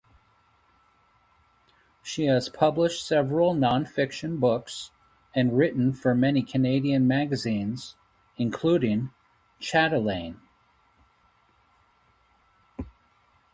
She has published several non-fiction books and written for many Canadian magazines including "Chatelaine".